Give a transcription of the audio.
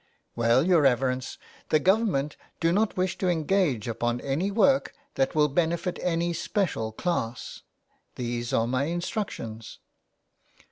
" Well, your reverence, the Government do not wish to engage upon any work that will benefit any special class. These are my instructions."